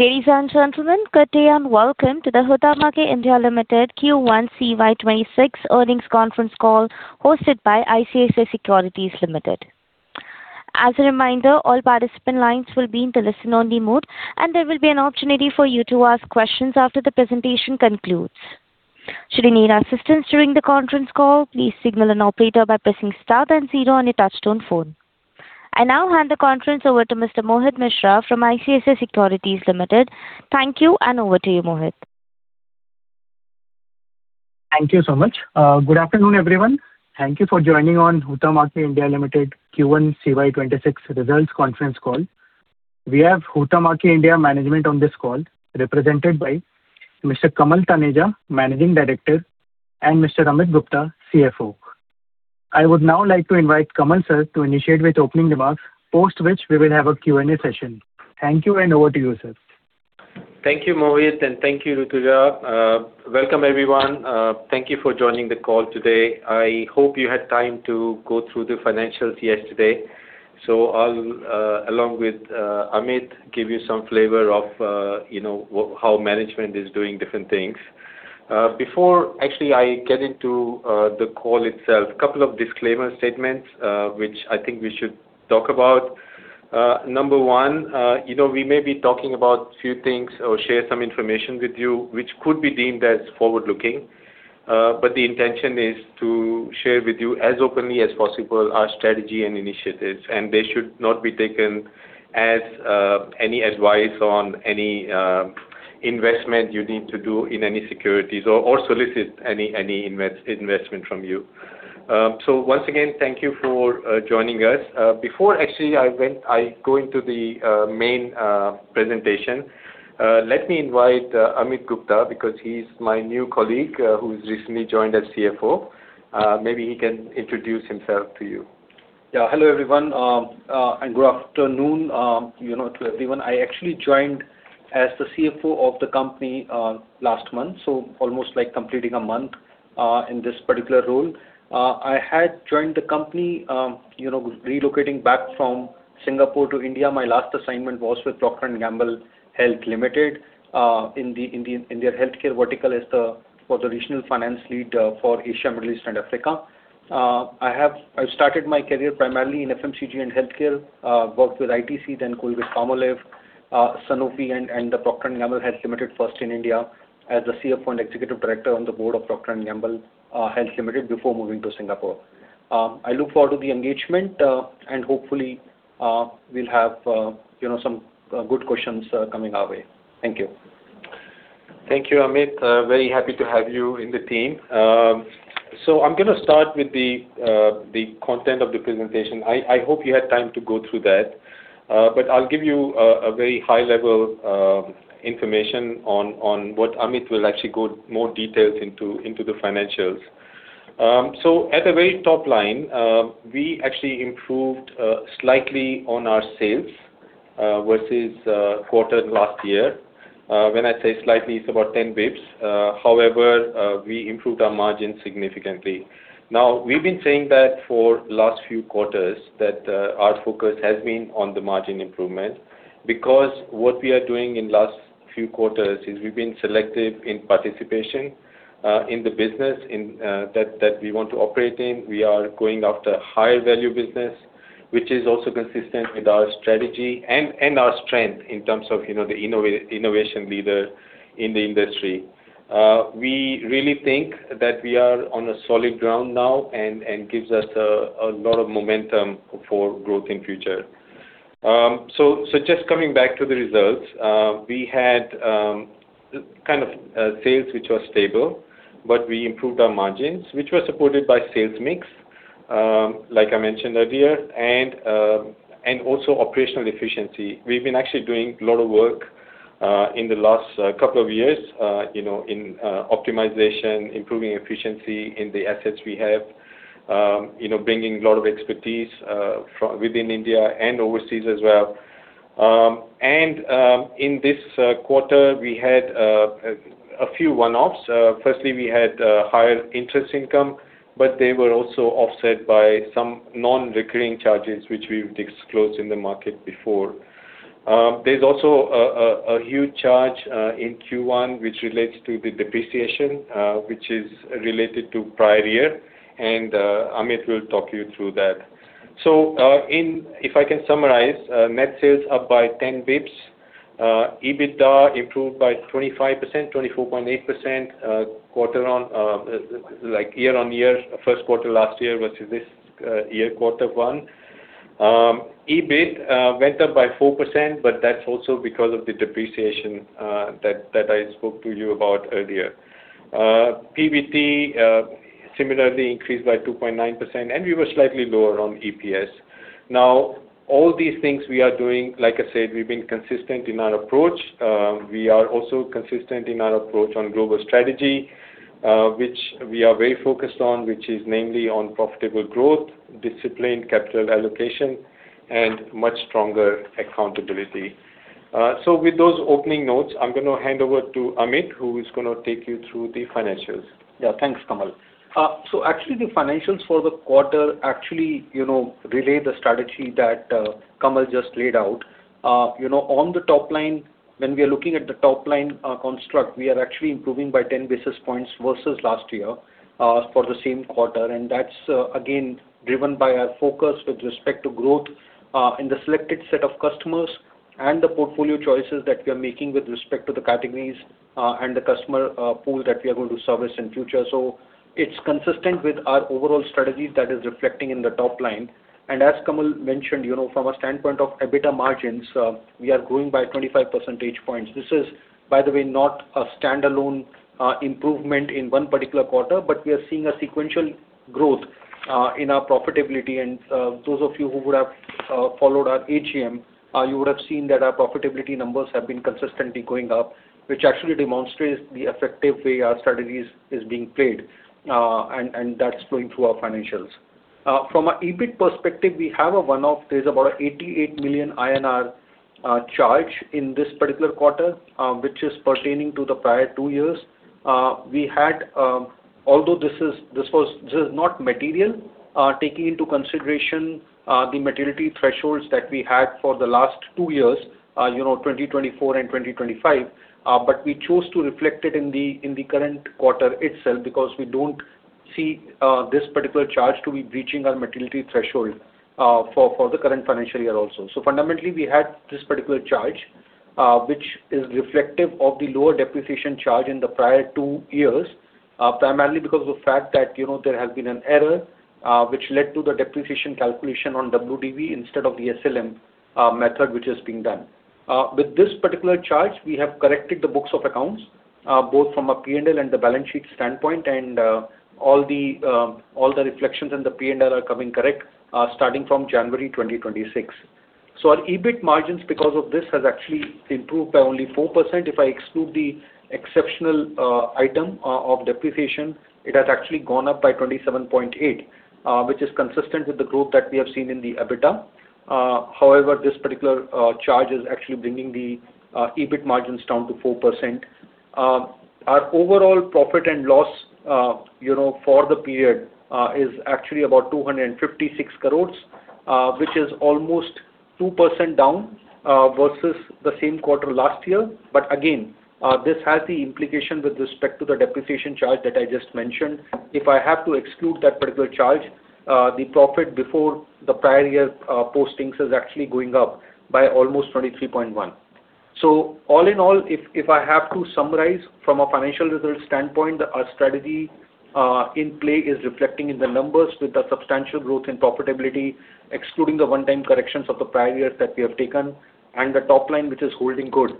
Ladies and gentlemen, good day and welcome to the Huhtamaki India Limited Q1 CY 2026 earnings conference call hosted by ICICI Securities Limited. As a reminder, all participant lines will be in the listen-only mode, and there will be an opportunity for you to ask questions after the presentation concludes. Should you need assistance during the conference call, please signal an operator by pressing star then zero on your touchtone phone. I now hand the conference over to Mr. Mohit Mishra from ICICI Securities Limited. Thank you, and over to you, Mohit. Thank you so much. Good afternoon, everyone. Thank you for joining on Huhtamaki India Limited Q1 CY 2026 results conference call. We have Huhtamaki India management on this call represented by Mr. Kamal Taneja, Managing Director, and Mr. Amit Gupta, CFO. I would now like to invite Kamal, sir, to initiate with opening remarks, post which we will have a Q&A session. Thank you, and over to you, sir. Thank you, Mohit, and thank you, Rutuja. Welcome, everyone. Thank you for joining the call today. I hope you had time to go through the financials yesterday. I'll, along with, Amit, give you some flavor of, you know, how management is doing different things. Before actually I get into the call itself, couple of disclaimer statements, which I think we should talk about. Number one, you know, we may be talking about few things or share some information with you which could be deemed as forward-looking. The intention is to share with you as openly as possible our strategy and initiatives, and they should not be taken as any advice on any investment you need to do in any securities or solicit any investment from you. Once again, thank you for joining us. Before actually I go into the main presentation, let me invite Amit Gupta because he's my new colleague who's recently joined as CFO. Maybe he can introduce himself to you. Yeah. Hello, everyone. Good afternoon, you know, to everyone. I actually joined as the CFO of the company last month, so almost like completing a month in this particular role. I had joined the company, you know, relocating back from Singapore to India. My last assignment was with Procter & Gamble Health Limited in the India Healthcare Vertical as the Regional Finance Lead for Asia, Middle East, and Africa. I started my career primarily in FMCG and healthcare, worked with ITC, then Colgate-Palmolive, Sanofi and Procter & Gamble Health Limited first in India as the CFO and Executive Director on the Board of Procter & Gamble Health Limited before moving to Singapore. I look forward to the engagement, and hopefully, we'll have, you know, some good questions coming our way. Thank you. Thank you, Amit. Very happy to have you in the team. I'm gonna start with the content of the presentation. I hope you had time to go through that, but I'll give you a very high level information on what Amit will actually go more details into the financials. At a very top line, we actually improved slightly on our sales versus quarter last year. When I say slightly, it's about 10 basis points. However, we improved our margin significantly. Now, we've been saying that for last few quarters that our focus has been on the margin improvement because what we are doing in last few quarters is we've been selective in participation in the business that we want to operate in. We are going after higher value business, which is also consistent with our strategy and our strength in terms of, you know, the innovation leader in the industry. We really think that we are on a solid ground now and gives us a lot of momentum for growth in future. So just coming back to the results, we had kind of sales which were stable, but we improved our margins, which were supported by sales mix, like I mentioned earlier, and also operational efficiency. We've been actually doing a lot of work in the last couple of years, you know, in optimization, improving efficiency in the assets we have, you know, bringing a lot of expertise from within India and overseas as well. In this quarter, we had a few one-offs. Firstly, we had higher interest income, but they were also offset by some non-recurring charges which we've disclosed in the market before. There's also a huge charge in Q1 which relates to the depreciation, which is related to prior year and Amit will talk you through that. If I can summarize, net sales up by 10 basis points. EBITDA improved by 25%, 24.8%, quarter on year-on-year, first quarter last year versus this year quarter one. EBIT went up by 4%, but that's also because of the depreciation that I spoke to you about earlier. PBT similarly increased by 2.9%, and we were slightly lower on EPS. All these things we are doing, like I said, we've been consistent in our approach. We are also consistent in our approach on global strategy, which we are very focused on, which is mainly on profitable growth, disciplined capital allocation, and much stronger accountability. With those opening notes, I'm gonna hand over to Amit, who is gonna take you through the financials. Yeah. Thanks, Kamal. Actually, the financials for the quarter actually, you know, relay the strategy that Kamal just laid out. You know, on the top line, when we are looking at the top line construct, we are actually improving by 10 basis points versus last year for the same quarter. That's again, driven by our focus with respect to growth in the selected set of customers and the portfolio choices that we are making with respect to the categories and the customer pool that we are going to service in future. It's consistent with our overall strategy that is reflecting in the top line. As Kamal mentioned, you know, from a standpoint of EBITDA margins, we are growing by 25 percentage points. This is, by the way, not a standalone improvement in one particular quarter, but we are seeing a sequential growth in our profitability. Those of you who would have followed our AGM, you would have seen that our profitability numbers have been consistently going up, which actually demonstrates the effective way our strategies is being played, and that's flowing through our financials. From a EBIT perspective, we have a one-off. There's about 88 million INR charge in this particular quarter, which is pertaining to the prior two years. We had, although this is not material, taking into consideration the materiality thresholds that we had for the last two years, you know, 2024 and 2025, but we chose to reflect it in the current quarter itself because we don't see this particular charge to be breaching our materiality threshold for the current financial year also. Fundamentally, we had this particular charge, which is reflective of the lower depreciation charge in the prior two years, primarily because of the fact that, you know, there has been an error which led to the depreciation calculation on WDV instead of the SLM method which is being done. With this particular charge, we have corrected the books of accounts, both from a P&L and the balance sheet standpoint. All the reflections in the P&L are coming correct, starting from January 2026. Our EBIT margins because of this has actually improved by only 4%. If I exclude the exceptional item of depreciation, it has actually gone up by 27.8%, which is consistent with the growth that we have seen in the EBITDA. However, this particular charge is actually bringing the EBIT margins down to 4%. Our overall profit and loss, you know, for the period, is actually about 256 crore, which is almost 2% down versus the same quarter last year. Again, this has the implication with respect to the depreciation charge that I just mentioned. If I have to exclude that particular charge, the profit before the prior year postings is actually going up by almost 23.1%. All in all, if I have to summarize from a financial results standpoint, our strategy in play is reflecting in the numbers with a substantial growth in profitability, excluding the one-time corrections of the prior years that we have taken, and the top line, which is holding good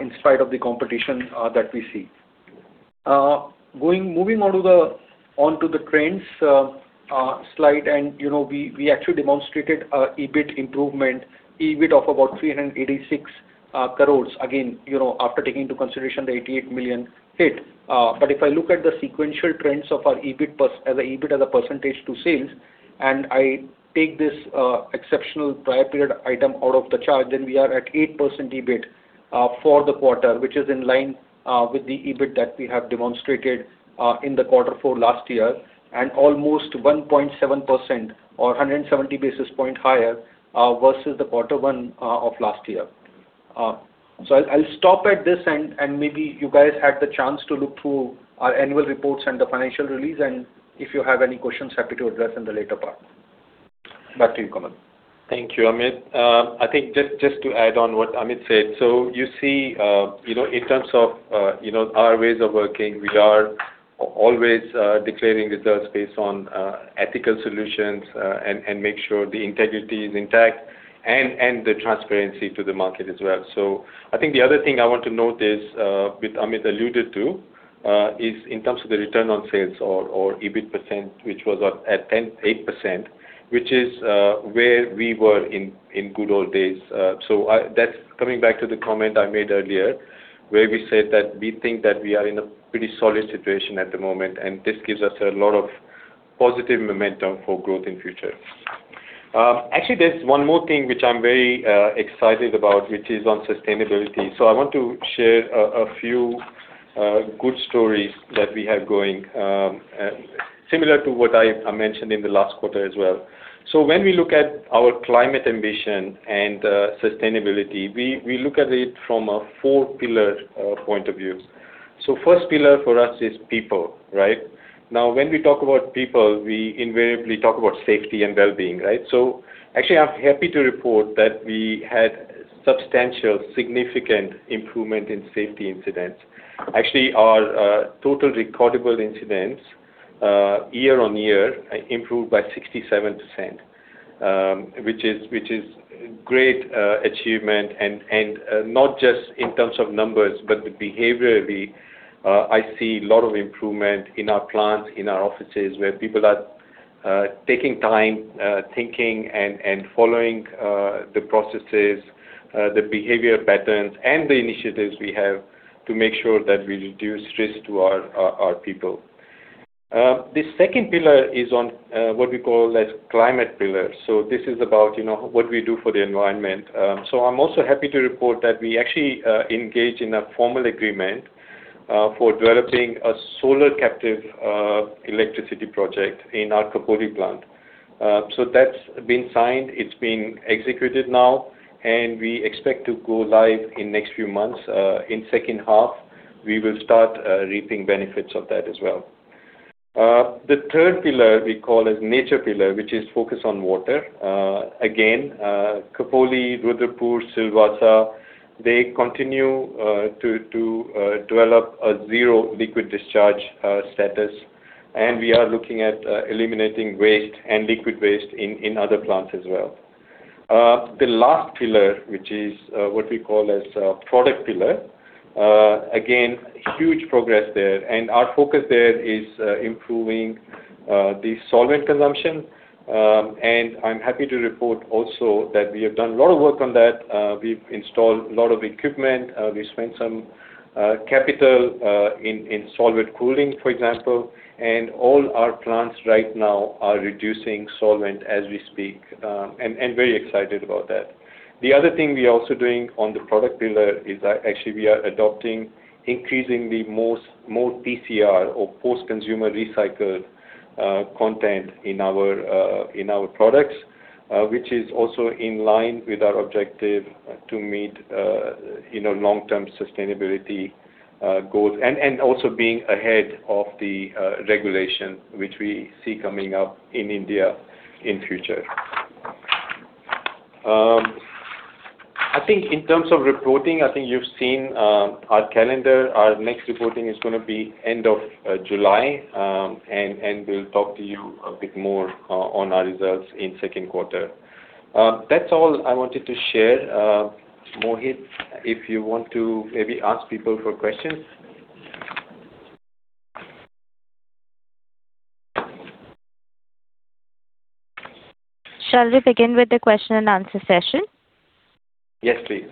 in spite of the competition that we see. Moving on to the trends slide. You know, we actually demonstrated a EBIT improvement, EBIT of about 386 crore, again, you know, after taking into consideration the 88 million hit. If I look at the sequential trends of our EBIT as a percentage to sales, and I take this exceptional prior period item out of the charge, then we are at 8% EBIT for the quarter, which is in line with the EBIT that we have demonstrated in the quarter for last year, and almost 1.7% or 170 basis point higher versus the quarter one of last year. I'll stop at this and maybe you guys had the chance to look through our annual reports and the financial release, and if you have any questions, happy to address in the later part. Back to you, Kamal. Thank you, Amit. I think just to add on what Amit said, you see, you know, in terms of, you know, our ways of working, we are always declaring results based on ethical solutions, and make sure the integrity is intact and the transparency to the market as well. I think the other thing I want to note is, which Amit alluded to, is in terms of the return on sales or EBIT percent, which was at 8%, which is where we were in good old days. That's coming back to the comment I made earlier, where we said that we think that we are in a pretty solid situation at the moment, and this gives us a lot of positive momentum for growth in future. Actually, there's one more thing which I'm very excited about, which is on sustainability. I want to share a few good stories that we have going, similar to what I mentioned in the last quarter as well. When we look at our climate ambition and sustainability, we look at it from a four-pillar point of view. First pillar for us is people, right? Now, when we talk about people, we invariably talk about safety and wellbeing, right? Actually, I'm happy to report that we had substantial significant improvement in safety incidents. Actually, our total recordable incidents year on year improved by 67%, which is great achievement. Not just in terms of numbers, but behaviorally, I see lot of improvement in our plants, in our offices, where people are taking time, thinking and following the processes, the behavior patterns and the initiatives we have to make sure that we reduce risk to our people. The second pillar is on what we call as climate pillar. This is about, you know, what we do for the environment. I'm also happy to report that we actually engaged in a formal agreement for developing a solar captive electricity project in our Khopoli plant. That's been signed. It's being executed now, and we expect to go live in next few months. In second half, we will start reaping benefits of that as well. The third pillar we call as nature pillar, which is focused on water. Again, Khopoli, Rudrapur, Silvassa, they continue to develop a zero liquid discharge status. We are looking at eliminating waste and liquid waste in other plants as well. The last pillar, which is what we call as product pillar, again, huge progress there. Our focus there is improving the solvent consumption. I'm happy to report also that we have done a lot of work on that. We've installed a lot of equipment. We spent some capital in solvent cooling, for example, and all our plants right now are reducing solvent as we speak, and very excited about that. The other thing we are also doing on the product pillar is that actually we are adopting increasingly more PCR or post-consumer recycled content in our in our products, which is also in line with our objective to meet, you know, long-term sustainability goals and also being ahead of the regulation which we see coming up in India in future. I think in terms of reporting, I think you've seen our calendar. Our next reporting is gonna be end of July. We'll talk to you a bit more on our results in second quarter. That's all I wanted to share. Mohit, if you want to maybe ask people for questions. Shall we begin with the question and answer session? Yes, please.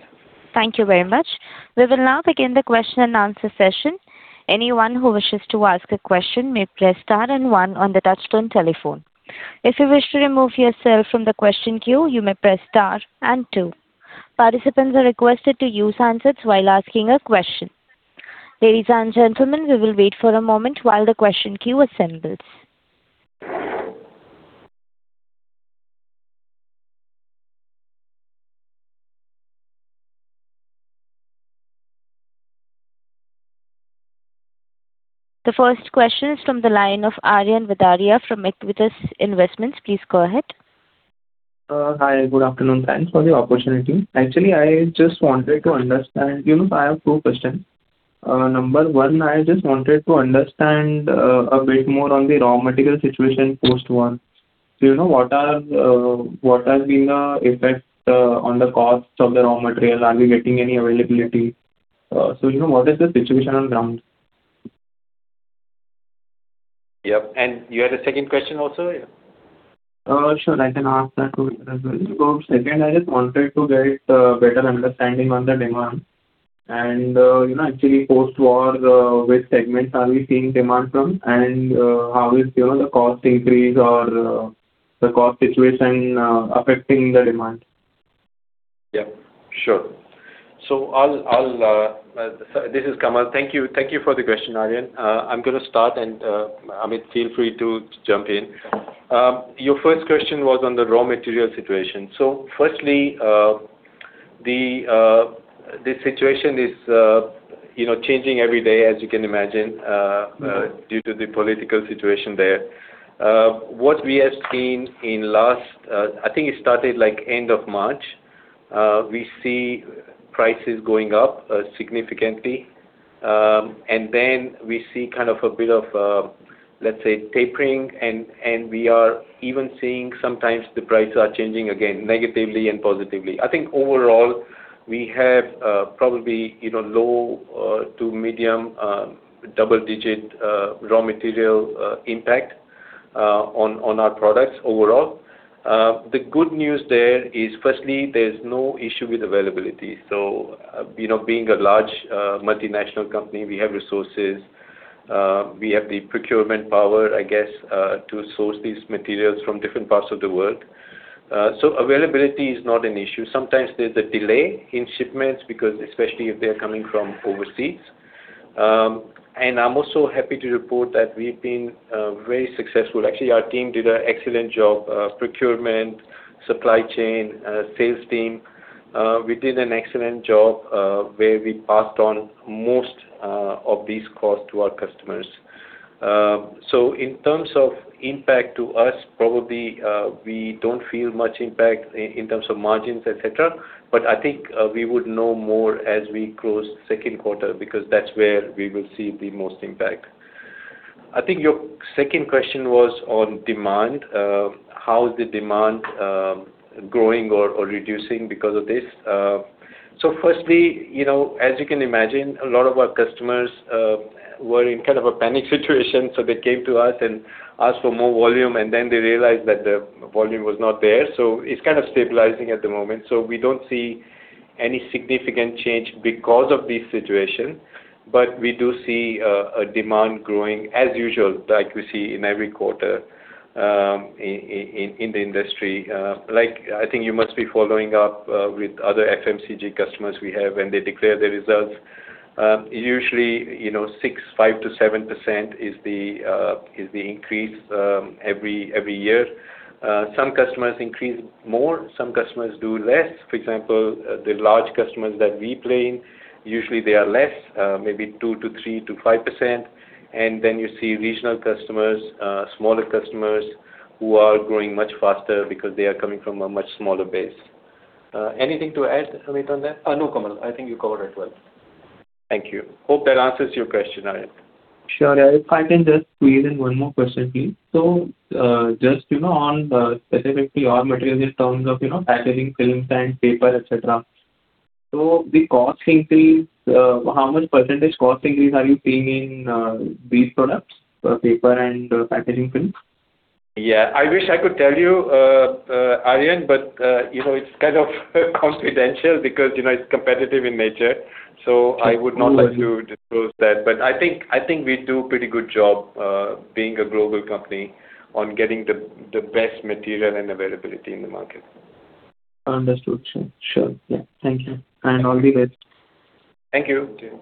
Thank you very much. We will now begin the question and answer session. Anyone who wishes to ask a question may press star and one on the touchtone telephone. If you wish to remove yourself from the question queue, you may press star and two. Participants are requested to use handsets while asking a question. Ladies and gentlemen, we will wait for a moment while the question queue has ended. The first question is from the line of Aaryan Vadaria from Aequitas Investments. Please go ahead. Hi, good afternoon. Thanks for the opportunity. Actually, I just wanted to understand. You know, I have two questions. Number one, I just wanted to understand a bit more on the raw material situation post-war. Do you know what are, what has been the effect on the costs of the raw material? Are we getting any availability? You know, what is the situation on ground? Yep, you had a second question also? Sure. I can ask that too as well. Second, I just wanted to get a better understanding on the demand and, you know, actually post-war, which segments are we seeing demand from and, how is, you know, the cost increase or, the cost situation, affecting the demand? Yeah, sure. This is Kamal. Thank you for the question, Aaryan. I'm gonna start, and Amit, feel free to jump in. Your first question was on the raw material situation. Firstly, the situation is, you know, changing every day, as you can imagine due to the political situation there. What we have seen in last, I think it started, end of March. We see prices going up, significantly, then we see kind of a bit of, let's say, tapering, and we are even seeing sometimes the prices are changing again negatively and positively. I think overall we have, probably, low to medium, double-digit, raw material, impact on our products overall. The good news there is firstly there's no issue with availability. Being a large, multinational company, we have resources. We have the procurement power, I guess, to source these materials from different parts of the world. Availability is not an issue. Sometimes there's a delay in shipments because especially if they're coming from overseas. I'm also happy to report that we've been very successful. Actually, our team did an excellent job. Procurement, supply chain, sales team, we did an excellent job where we passed on most of these costs to our customers. In terms of impact to us, probably, we don't feel much impact in terms of margins, et cetera. I think we would know more as we close second quarter because that's where we will see the most impact. I think your second question was on demand. How is the demand growing or reducing because of this? Firstly, you know, as you can imagine, a lot of our customers were in kind of a panic situation, so they came to us and asked for more volume, and then they realized that the volume was not there. It's kind of stabilizing at the moment. We don't see any significant change because of this situation, but we do see a demand growing as usual, like we see in every quarter in the industry. Like, I think you must be following up with other FMCG customers we have when they declare their results. Usually, you know, 5%-7% is the increase every year. Some customers increase more, some customers do less. For example, the large customers that we play in, usually they are less, maybe 2%-5%. Then you see regional customers, smaller customers who are growing much faster because they are coming from a much smaller base. Anything to add, Amit, on that? No, Kamal. I think you covered it well. Thank you. Hope that answers your question, Aaryan. Sure, yeah. If I can just squeeze in one more question, please. Just, you know, on, specifically raw material in terms of, you know, packaging films and paper, et cetera. The cost increase, how much percentage cost increase are you seeing in these products, paper and packaging films? Yeah. I wish I could tell you, Aaryan, but, you know, it's kind of confidential because, you know, it's competitive in nature. I would not like to disclose that. I think we do pretty good job, being a global company on getting the best material and availability in the market. Understood, sure. Sure. Yeah. Thank you. All the best. Thank you. Thank you.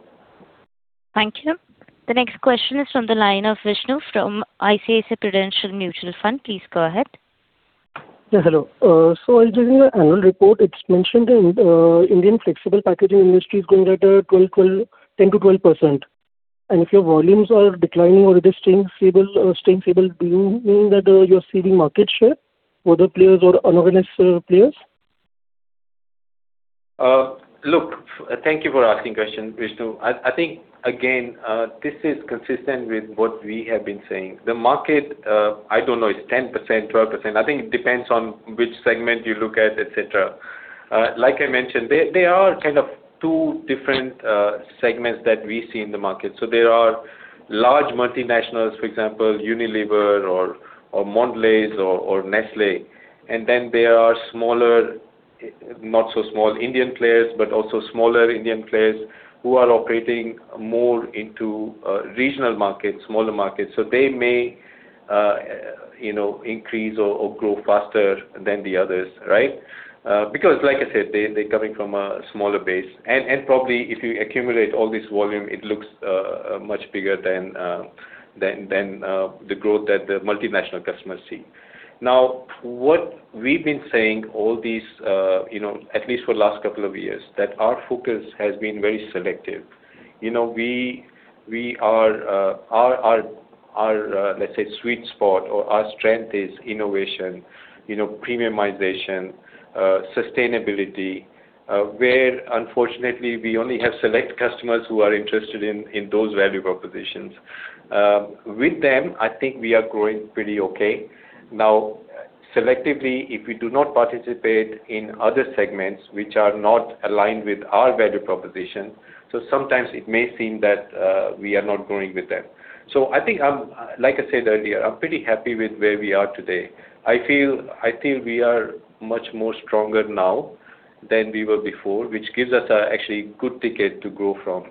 Thank you. The next question is from the line of Viishnu from ICICI Prudential Mutual Fund. Please go ahead. Yeah, hello. I was reading your annual report. It's mentioned in Indian flexible packaging industry is growing at 10%-12%. If your volumes are declining or it is staying stable, do you mean that you're ceding market share with the players or unorganized players? Look, thank you for asking question, Viishnu. I think, again, this is consistent with what we have been saying. The market, I don't know, it's 10%, 12%. I think it depends on which segment you look at, et cetera. Like I mentioned, there are kind of two different segments that we see in the market. There are large multinationals, for example, Unilever or Mondelez or Nestlé. Then, there are smaller, not so small Indian players, but also smaller Indian players who are operating more into regional markets, smaller markets. They may, you know, increase or grow faster than the others, right? Because like I said, they're coming from a smaller base. Probably if you accumulate all this volume, it looks much bigger than the growth that the multinational customers see. Now, what we've been saying all these, you know, at least for last couple of years, that our focus has been very selective. You know, we are, our, let's say, sweet spot or our strength is innovation, you know, premiumization, sustainability, where unfortunately we only have select customers who are interested in those value propositions. With them, I think we are growing pretty okay. Selectively, if we do not participate in other segments which are not aligned with our value proposition, so sometimes it may seem that we are not growing with them. I think I'm, like I said earlier, I'm pretty happy with where we are today. I feel we are much more stronger now than we were before, which gives us a actually good ticket to grow from.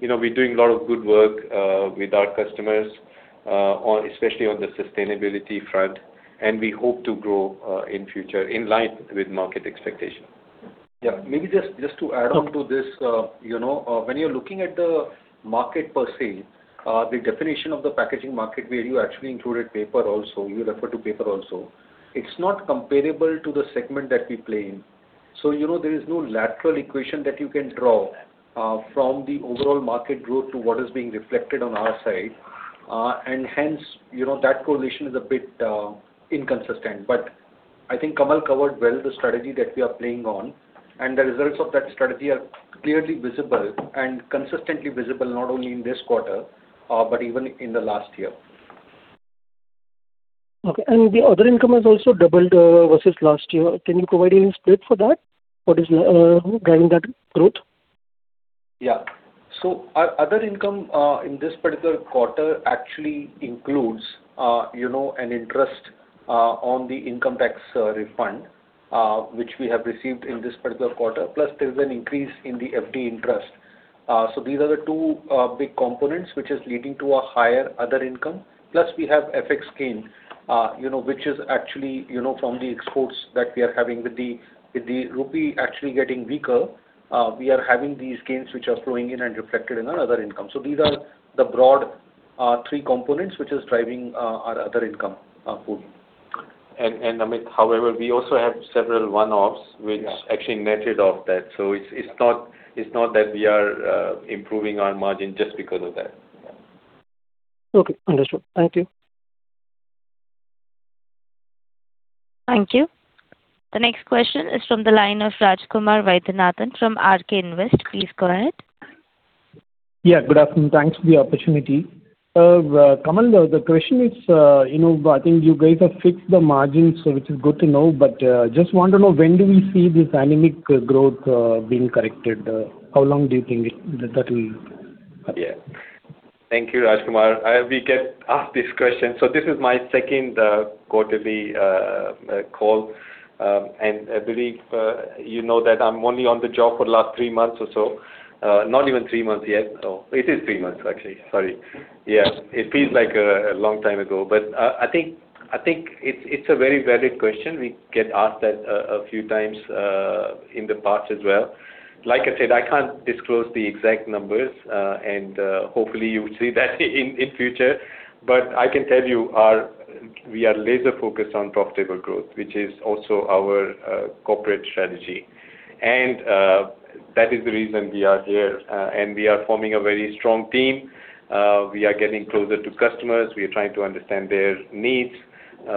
You know, we're doing a lot of good work with our customers on, especially on the sustainability front, and we hope to grow in future in line with market expectation. Yeah. Maybe just to add on to this. You know, when you're looking at the market per se, the definition of the packaging market where you actually included paper also, you refer to paper also, it's not comparable to the segment that we play in. You know, there is no lateral equation that you can draw, from the overall market growth to what is being reflected on our side. Hence, you know, that correlation is a bit inconsistent. I think Kamal covered well the strategy that we are playing on, and the results of that strategy are clearly visible and consistently visible, not only in this quarter, but even in the last year. Okay. The other income has also doubled, versus last year. Can you provide any split for that? What is driving that growth? Yeah. Our other income, in this particular quarter actually includes, you know, an interest, on the income tax, refund, which we have received in this particular quarter plus there's an increase in the FD interest. These are the two big components which is leading to a higher other income plus we have FX gain, you know, which is actually, you know, from the exports that we are having. With the, with the rupee actually getting weaker, we are having these gains which are flowing in and reflected in our other income. These are the broad three components which is driving, our other income, forward. Amit, however, we also have several one-offs— Yeah. which actually netted off that. It's not that we are improving our margin just because of that. Yeah. Okay. Understood. Thank you. Thank you. The next question is from the line of Rajakumar Vaidyanathan from RK Invest. Please go ahead. Yeah, good afternoon. Thanks for the opportunity. Kamal, the question is, you know, I think you guys have fixed the margins, which is good to know. Just want to know, when do we see this anemic growth being corrected? How long do you think that will appear? Thank you, Rajakumar. We get asked this question. This is my second quarterly call. I believe, you know that I'm only on the job for the last three months or so. Not even three months yet. Oh, it is three months actually. Sorry. Yeah. It feels like a long time ago. I think it's a very valid question. We get asked that a few times in the past as well. Like I said, I can't disclose the exact numbers. Hopefully you will see that in future. I can tell you our we are laser focused on profitable growth, which is also our corporate strategy. That is the reason we are here. We are forming a very strong team. We are getting closer to customers. We are trying to understand their needs.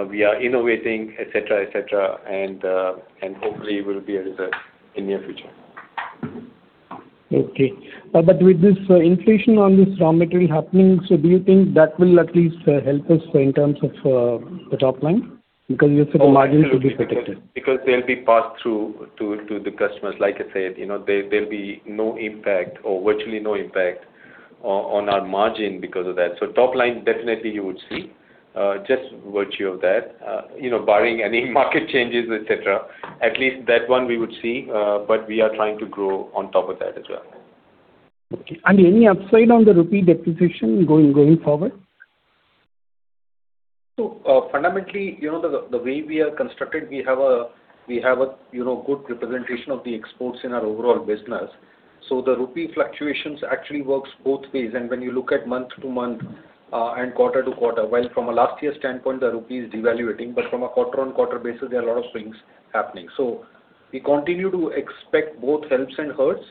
We are innovating, et cetera, et cetera. Hopefully will be a result in near future. Okay. With this inflation on this raw material happening, do you think that will at least help us in terms of the top line? Because you said the margin will be protected. Oh, absolutely. Because they'll be passed through to the customers. Like I said, you know, there'll be no impact or virtually no impact on our margin because of that. Top line, definitely you would see, just virtue of that. You know, barring any market changes, et cetera, at least that one we would see. We are trying to grow on top of that as well. Okay. Any upside on the rupee depreciation going forward? Fundamentally, you know, the way we are constructed, we have a good representation of the exports in our overall business. The rupee fluctuations actually works both ways. When you look at month to month and quarter to quarter, while from a last year standpoint the rupee is devaluating, but from a quarter on quarter basis, there are a lot of swings happening. We continue to expect both helps and hurts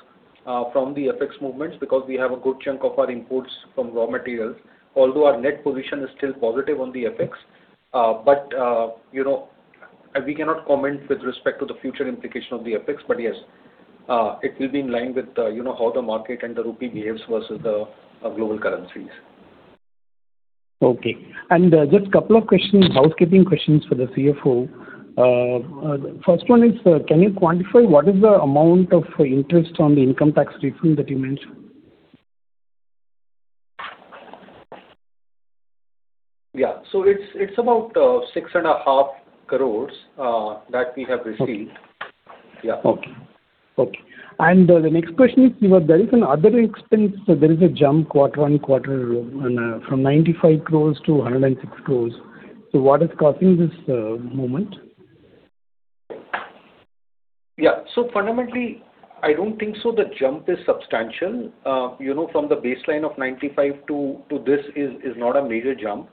from the FX movements because we have a good chunk of our imports from raw materials, although our net position is still positive on the FX. You know, we cannot comment with respect to the future implication of the FX. Yes, it will be in line with how the market and the rupee behaves versus the global currencies. Okay. Just couple of questions, housekeeping questions for the CFO. First one is, can you quantify what is the amount of interest on the income tax refund that you mentioned? Yeah. It's about 6.5 crore that we have received. Okay. Yeah. Okay. Okay. The next question is, you know, there is an Other Expense. There is a jump quarter-on-quarter from 95 crore to 106 crore. What is causing this movement? Yeah. Fundamentally, I don't think so the jump is substantial. You know, from the baseline of 95 crore to this is not a major jump.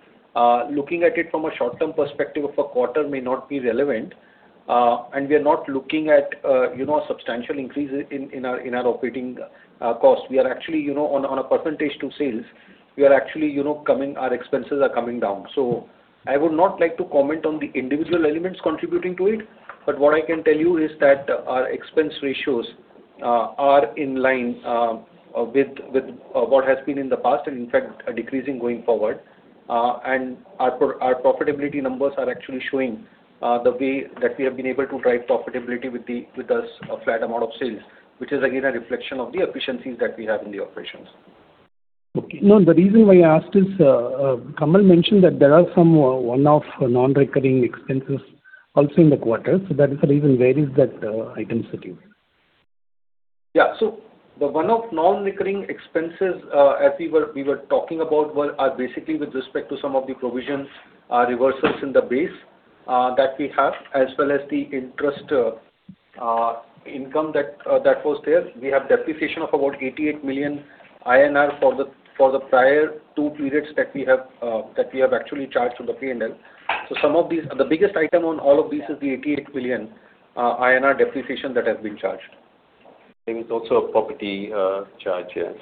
Looking at it from a short-term perspective of a quarter may not be relevant and we are not looking at, you know, a substantial increase in our operating cost. We are actually, you know, on a percentage to sales, we are actually, you know, coming our expenses are coming down. I would not like to comment on the individual elements contributing to it. What I can tell you is that our expense ratios are in line with what has been in the past, and in fact are decreasing going forward. Our profitability numbers are actually showing the way that we have been able to drive profitability with this flat amount of sales, which is again a reflection of the efficiencies that we have in the operations. Okay. No, the reason why I asked is, Kamal mentioned that there are some one-off non-recurring expenses also in the quarter. That is the reason. Where is that item sitting? Yeah. The one-off non-recurring expenses, as we were talking about were, are basically with respect to some of the provisions, reversals in the base, that we have, as well as the interest, income that was there. We have depreciation of about 88 million INR for the prior two periods that we have, that we have actually charged to the P&L. The biggest item on all of these is the 88 million INR depreciation that has been charged. There is also a property, charge here.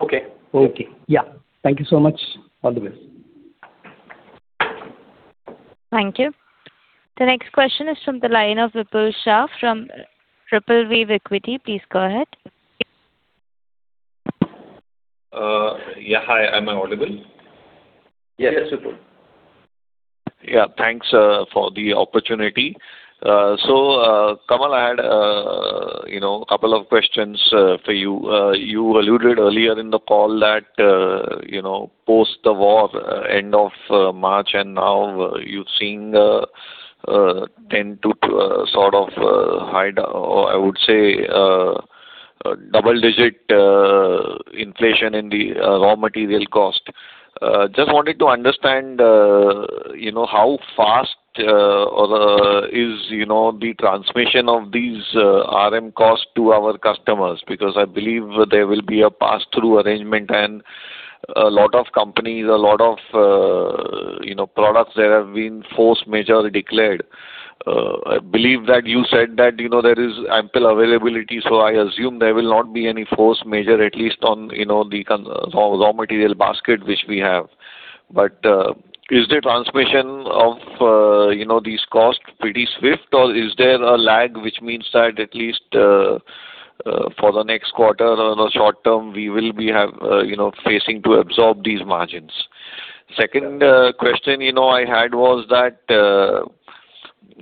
Okay. Okay. Yeah. Thank you so much. All the best. Thank you. The next question is from the line of Vipul Shah from RippleWave Equity. Please go ahead. Yeah. Hi. Am I audible? Yes, Vipul. Yeah. Thanks for the opportunity. So, Kamal, I had, you know, couple of questions for you. You alluded earlier in the call that, you know, post the war, end of March and now you're seeing sort of, or I would say, double digit, inflation in the raw material cost. Just wanted to understand, you know, how fast or is, you know, the transmission of these RM costs to our customers, because I believe there will be a pass-through arrangement and a lot of companies, a lot of, you know, products there have been force majeure declared. I believe that you said that, you know, there is ample availability, so I assume there will not be any force majeure, at least on, you know, the raw material basket which we have. Is the transmission of, you know, these costs pretty swift, or is there a lag which means that at least for the next quarter or the short term we will be have, you know, facing to absorb these margins? Second, question, you know, I had was that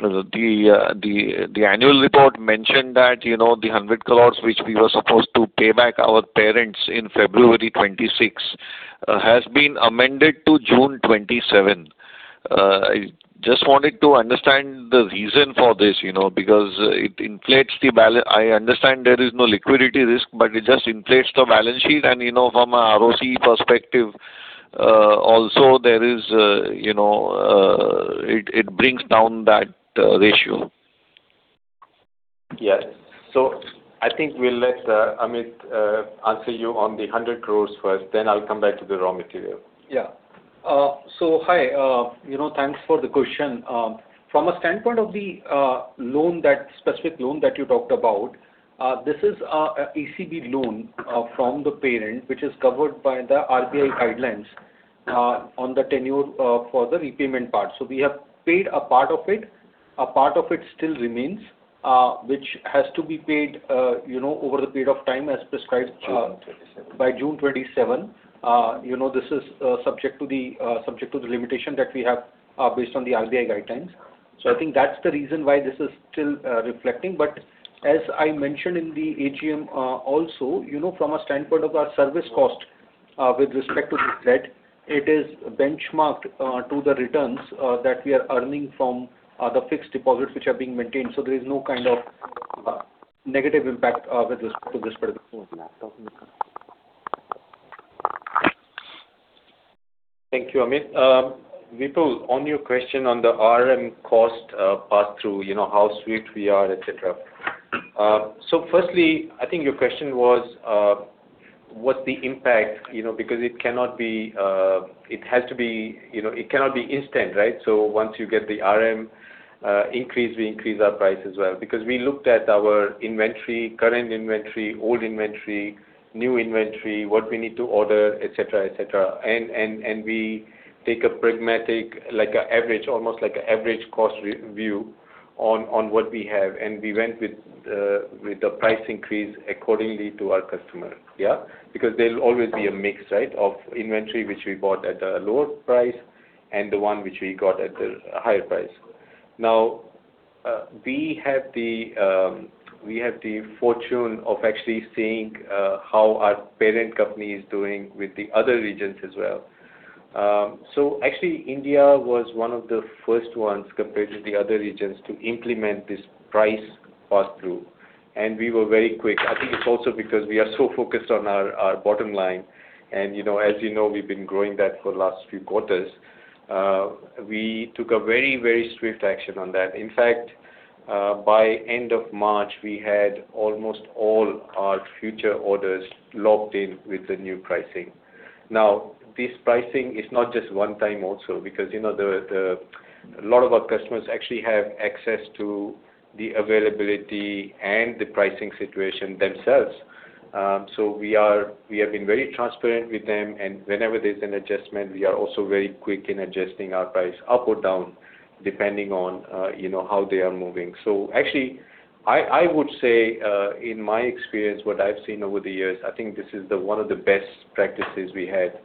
the annual report mentioned that, you know, the 100 crore which we were supposed to pay back our parents in February 2026, has been amended to June 2027. I just wanted to understand the reason for this, you know, because it inflates the I understand there is no liquidity risk, but it just inflates the balance sheet. You know, from a ROC perspective, also there is, you know, it brings down that ratio. Yeah. I think we'll let Amit answer you on the 100 crore first, then I'll come back to the raw material. Yeah. Hi, you know, thanks for the question. From a standpoint of the loan that, specific loan that you talked about, this is a ECB loan from the parent which is covered by the RBI guidelines on the tenure for the repayment part. We have paid a part of it. A part of it still remains, which has to be paid, you know, over the period of time as prescribed— By June 27. by June 27. You know, this is subject to the subject to the limitation that we have based on the RBI guidelines. I think that's the reason why this is still reflecting. As I mentioned in the AGM, also, you know, from a standpoint of our service cost, with respect to this debt, it is benchmarked to the returns that we are earning from the fixed deposits which are being maintained. There is no kind of negative impact with respect. Thank you, Amit. Vipul, on your question on the RM cost pass through, you know, how swift we are, et cetera. Firstly, I think your question was, what's the impact? you know, because it has to be, you know, it cannot be instant, right? Once you get the RM increase, we increase our price as well. Because we looked at our inventory, current inventory, old inventory, new inventory, what we need to order, et cetera, et cetera. We take a pragmatic, like a average, almost like a average cost review on what we have, and we went with the price increase accordingly to our customer, yeah. Because there'll always be a mix, right, of inventory which we bought at a lower price and the one which we got at the higher price. Now, we have the fortune of actually seeing how our parent company is doing with the other regions as well. Actually, India was one of the first ones compared to the other regions to implement this price pass-through, and we were very quick. I think it's also because we are so focused on our bottom line, and, you know, as you know, we've been growing that for the last few quarters. We took a very swift action on that. In fact, by end of March, we had almost all our future orders locked in with the new pricing. This pricing is not just one time also, because, you know, the a lot of our customers actually have access to the availability and the pricing situation themselves. We have been very transparent with them, and whenever there's an adjustment, we are also very quick in adjusting our price up or down, depending on, you know, how they are moving. Actually, I would say, in my experience, what I've seen over the years, I think this is the one of the best practices we had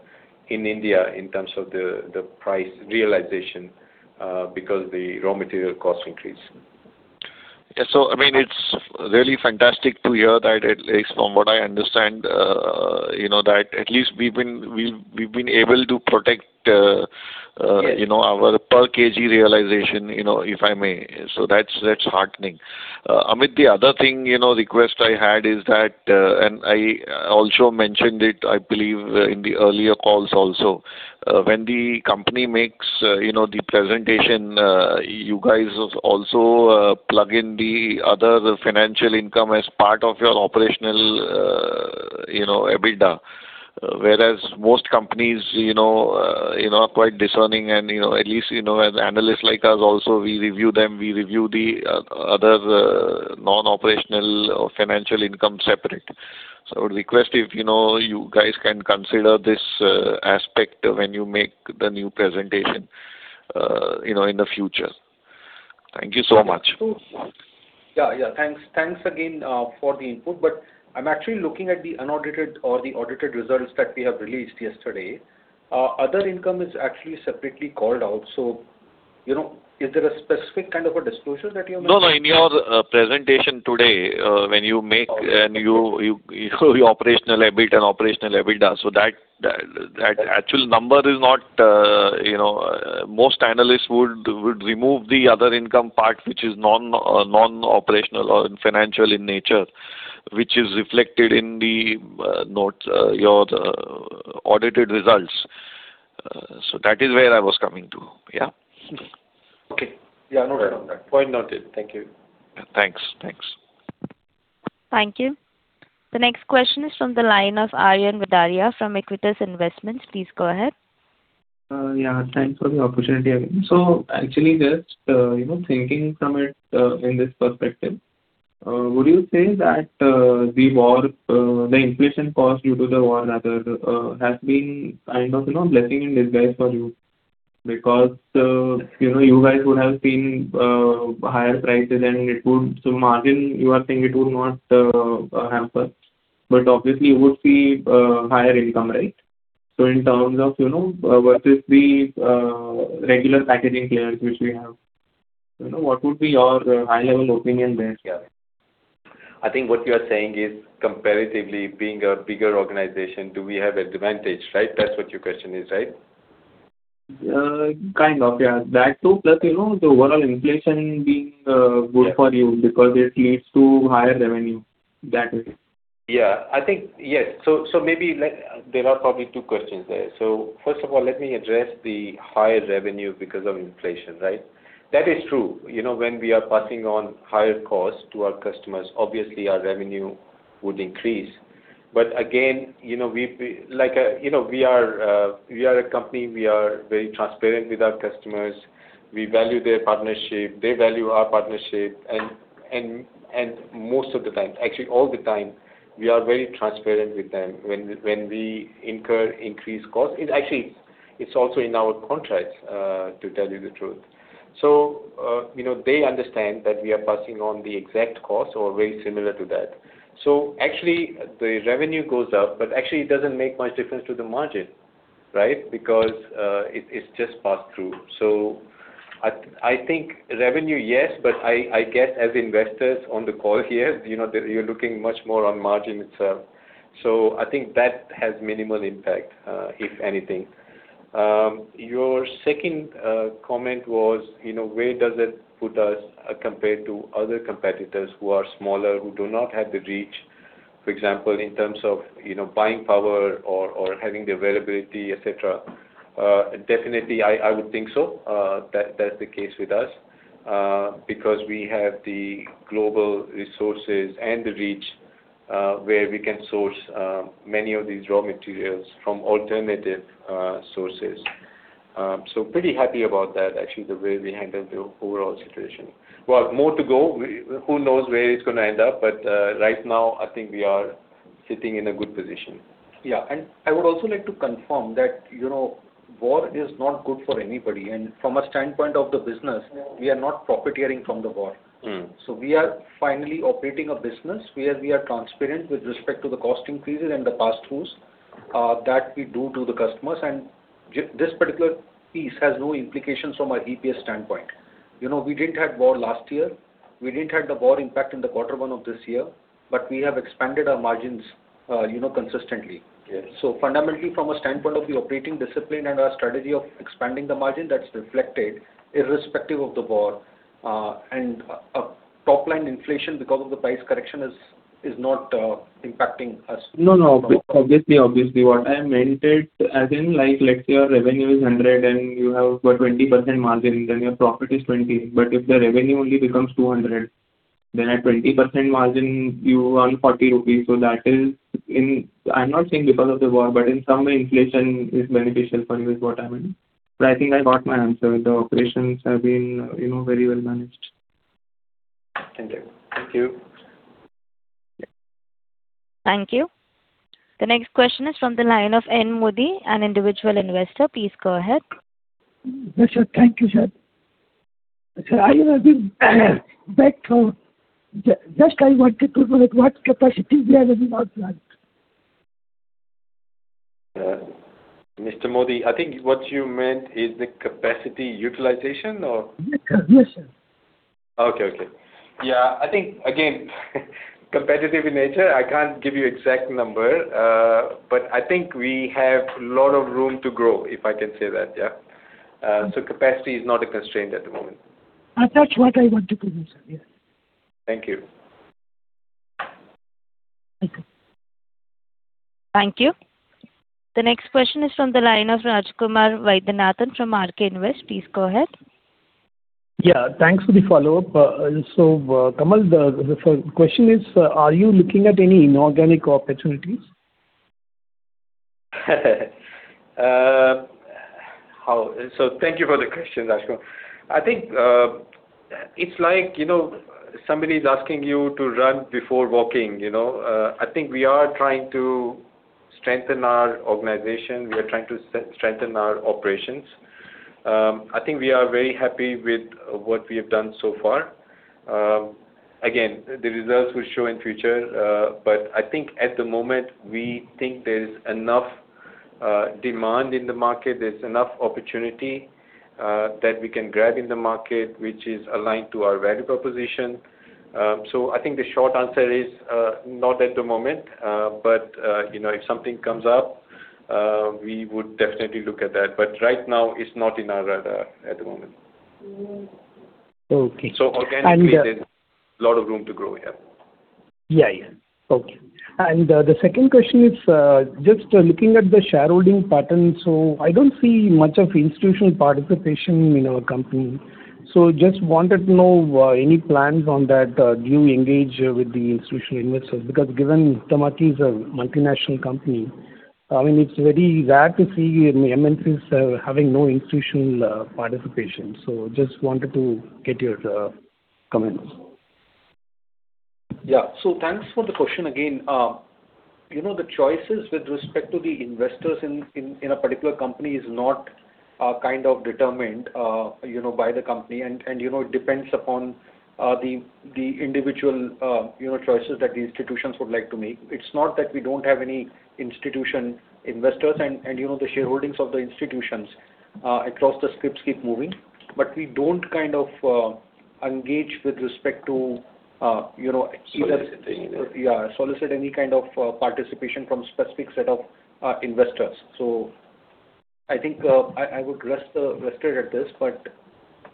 in India in terms of the price realization, because the raw material cost increased. Yeah. I mean, it's really fantastic to hear that at least from what I understand, you know, that at least we've been able to protect. Yes. you know, our per KG Realization, you know, if I may. That's heartening. Amit, the other thing, you know, request I had is that, and I also mentioned it, I believe, in the earlier calls also. When the company makes, you know, the presentation, you guys also plug in the other financial income as part of your operational, you know, EBITDA. Whereas most companies, you know, you know, are quite discerning and, you know, at least, you know, as analysts like us also, we review them. We review the other non-operational or financial income separate. I would request if, you know, you guys can consider this aspect when you make the new presentation, you know, in the future. Thank you so much. Yeah. Yeah. Thanks again, for the input, I'm actually looking at the unaudited or the audited results that we have released yesterday. Other income is actually separately called out. You know, is there a specific kind of a disclosure that you're mentioning? No, no. In your presentation today, when you make and you, the operational EBIT and operational EBITDA, that actual number is not, you know. Most analysts would remove the other income part, which is non-operational or financial in nature, which is reflected in the notes, your audited results. That is where I was coming to, yeah. Okay. Yeah, noted on that. Point noted. Thank you. Thanks. Thanks. Thank you. The next question is from the line of Aaryan Vadaria from Aequitas Investments. Please go ahead. Yeah. Thanks for the opportunity again. Actually just, you know, thinking from it in this perspective, would you say that the war, the inflation cost due to the war rather, has been kind of, you know, blessing in disguise for you? Because, you know, you guys would have seen higher prices and it would so margin, you are saying it would not hamper, but obviously you would see higher income, right? In terms of, you know, versus the regular packaging players which we have, you know, what would be your high-level opinion there? Yeah. I think what you are saying is comparatively being a bigger organization, do we have an advantage, right? That's what your question is, right? kind of, yeah. That too, plus, you know, the overall inflation being— Yeah. good for you because it leads to higher revenue. That is it. Yeah. I think Yes. Maybe let There are probably 2 questions there. First of all, let me address the higher revenue because of inflation, right? That is true. You know, when we are passing on higher costs to our customers, obviously our revenue would increase. Again, you know, we like a, you know, we are a company, we are very transparent with our customers. We value their partnership. They value our partnership. Most of the time, actually all the time, we are very transparent with them when we incur increased costs. It's also in our contracts, to tell you the truth. You know, they understand that we are passing on the exact cost or very similar to that. Actually, the revenue goes up, but actually it doesn't make much difference to the margin, right? Because it's just passed through. I think revenue, yes. I get as investors on the call here, you know, that you're looking much more on margin itself. I think that has minimal impact, if anything. Your second comment was, you know, where does it put us compared to other competitors who are smaller, who do not have the reach, for example, in terms of, you know, buying power or having the availability, et cetera. Definitely I would think so. That's the case with us because we have the global resources and the reach where we can source many of these raw materials from alternative sources. Pretty happy about that, actually, the way we handled the overall situation. We have more to go. Who knows where it's gonna end up, but right now I think we are sitting in a good position. Yeah. I would also like to confirm that, you know, war is not good for anybody. From a standpoint of the business, we are not profiteering from the war. We are finally operating a business where we are transparent with respect to the cost increases and the pass-throughs that we do to the customers. This particular piece has no implications from an EPS standpoint. You know, we didn't have war last year. We didn't have the war impact in the quarter one of this year. We have expanded our margins, you know, consistently. Yes. Fundamentally, from a standpoint of the operating discipline and our strategy of expanding the margin, that's reflected irrespective of the war. Top line inflation because of the price correction is not impacting us. No, no. Obviously. What I meant it as in, like, let's say your revenue is 100 and you have a 20% margin, then your profit is 20. If the revenue only becomes 200, then at 20% margin you earn 40 rupees. That is in I'm not saying because of the war, but in some way inflation is beneficial for you, is what I mean. I think I got my answer. The operations have been, you know, very well managed. Thank you. Thank you. Thank you. The next question is from the line of N. Modi, an individual investor. Please go ahead. Yes, sure. Thank you, sir. Sir, are you having background just I wanted to know that what capacity we have in our plant? Mr. Modi, I think what you meant is the capacity utilization. Yes, sir. Okay, okay. Yeah. I think again, competitive in nature, I can't give you exact number. I think we have a lot of room to grow, if I can say that, yeah. Capacity is not a constraint at the moment. That's what I want to know, sir. Yeah. Thank you. Thank you. Thank you. The next question is from the line of Rajakumar Vaidyanathan from RK Invest. Please go ahead. Yeah. Thanks for the follow-up. Kamal, the question is, are you looking at any inorganic opportunities? Thank you for the question, Rajakumar. I think, it's like, you know, somebody's asking you to run before walking, you know? I think we are trying to strengthen our organization. We are trying to strengthen our operations. I think we are very happy with what we have done so far. Again, the results will show in future. I think at the moment, we think there is enough demand in the market, there's enough opportunity that we can grab in the market, which is aligned to our value proposition. I think the short answer is, not at the moment. You know, if something comes up, we would definitely look at that. Right now it's not in our radar at the moment. Okay. Organically there's a lot of room to grow, yeah. Yeah, yeah. Okay. The second question is, just looking at the shareholding pattern, I don't see much of institutional participation in our company. Just wanted to know, any plans on that? Do you engage with the institutional investors? Because given Huhtamaki is a multinational company, I mean, it's very rare to see MNCs having no institutional participation. Just wanted to get your comments. Yeah. Thanks for the question again. You know, the choices with respect to the investors in a particular company are kind of determined, you know, by the company and, you know, it depends upon the individual, you know, choices that the institutions would like to make. It's not that we don't have any institution investors and, you know, the shareholdings of the institutions across the scrips keep moving. We don't kind of engage with respect to, you know, either— Solicit anything. Yeah, solicit any kind of participation from specific set of investors. I think, I would rest it at this, but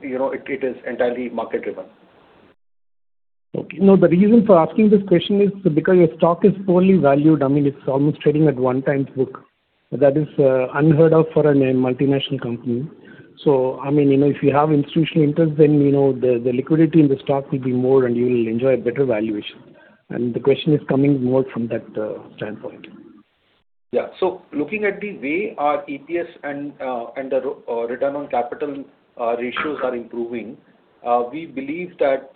you know, it is entirely market-driven. Okay. No, the reason for asking this question is because your stock is poorly valued. I mean, it's almost trading at one times book. That is, unheard of for a multinational company. I mean, you know, if you have institutional interest, then you know, the liquidity in the stock will be more and you'll enjoy a better valuation. The question is coming more from that standpoint. Yeah. Looking at the way our EPS and return on capital ratios are improving, we believe that,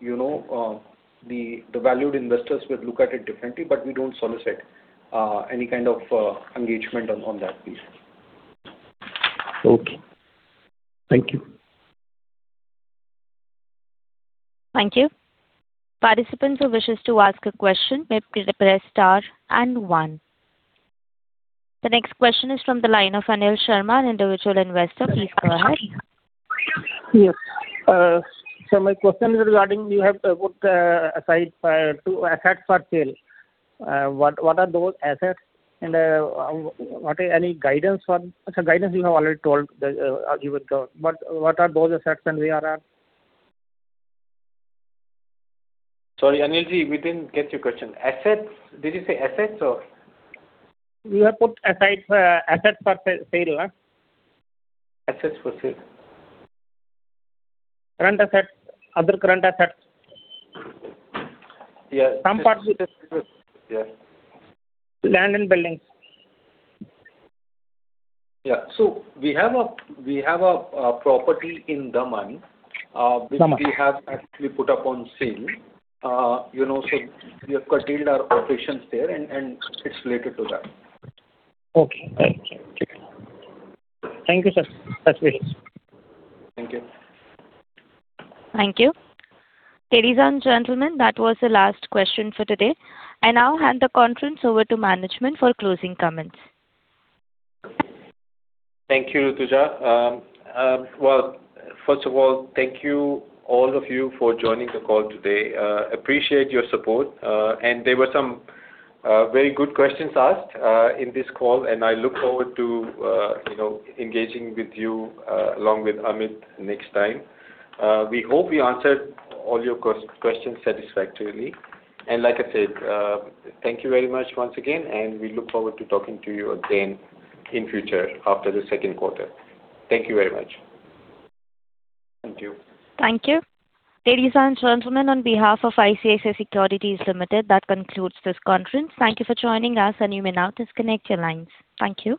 you know, the valued investors will look at it differently, but we don't solicit any kind of engagement on that please. Okay. Thank you. Thank you. Participants who wishes to ask a question may press star and one. The next question is from the line of Anil Sharma, an individual investor. Please go ahead. Yes. My question is regarding you have put aside two assets for sale. What are those assets and what are any guidance on? Guidance you have already told argued with. What are those assets and where are at? Sorry, Anil Ji, we didn't get your question. Assets, did you say assets or? You have put aside, assets for sale, huh? Assets for sale. Current assets, other current assets. Yeah. Some part with- Yeah. Land and buildings. Yeah. We have a property in Daman. Daman. Which we have actually put up on sale. You know, we have curtailed our operations there and it's related to that. Okay. Thank you. Thank you, sir. Best wishes. Thank you. Thank you. Ladies and gentlemen, that was the last question for today. I now hand the conference over to management for closing comments. Thank you, Rutuja. Well, first of all, thank you all of you for joining the call today. Appreciate your support, and there were some very good questions asked in this call, and I look forward to, you know, engaging with you along with Amit next time. We hope we answered all your questions satisfactorily. Like I said, thank you very much once again, and we look forward to talking to you again in future after the second quarter. Thank you very much. Thank you. Thank you. Ladies and gentlemen, on behalf of ICICI Securities Limited, that concludes this conference. Thank you for joining us, and you may now disconnect your lines. Thank you.